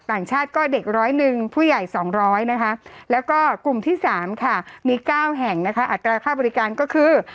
ต่างชาติก็เด็กร้อยหนึ่งผู้ใหญ่๒๐๐นะคะแล้วก็กลุ่มที่๓ค่ะมี๙แห่งนะคะอัตราค่าบริการก็คือ